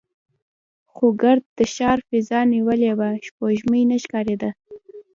خو ګرد د ښار فضا نیولې وه، سپوږمۍ نه ښکارېده.